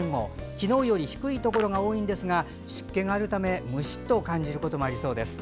昨日より低いところが多いんですが湿気が多いため、ムシッと感じることもありそうです。